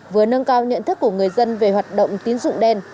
vừa nâng cao nhận thức của người dân về hoạt động tín dụng đen